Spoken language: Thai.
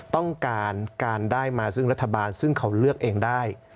ต้องการการได้มาซึ่งรัฐบาลซึ่งเขาเลือกเองได้